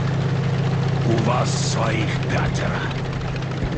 У вас своих пятеро.